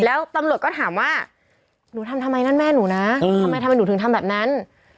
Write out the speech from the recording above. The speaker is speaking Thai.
แล้วตำรวจก็ถามว่าหนูทำทำไมนั่นแม่หนูนะทำไมทำไมหนูถึงทำแบบนั้น